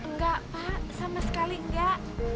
nggak pak sama sekali nggak